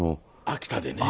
秋田でね。